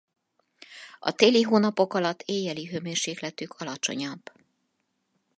A téli hónapok alatt éjjeli hőmérsékletük alacsonyabb.